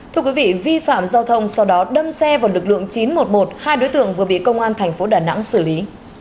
thưa quý vị vi phạm giao thông sau đó đâm xe vào lực lượng chín trăm một mươi một hai đối tượng vừa bị công an thành phố đà nẵng xử lý